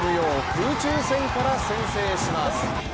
空中戦から先制します。